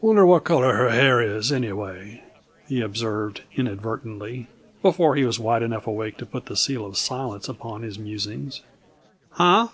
"Wonder what color her hair is, anyway," he observed inadvertently, before he was wide enough awake to put the seal of silence on his musings. "Hunh?"